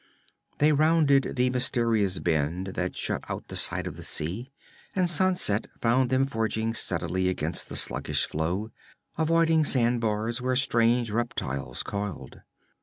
They rounded the mysterious bend that shut out the sight of the sea, and sunset found them forging steadily against the sluggish flow, avoiding sandbars where strange reptiles coiled.